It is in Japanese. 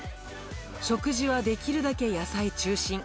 食事はできるだけ野菜中心。